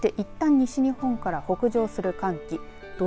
そして、いったん西日本から北上する寒気。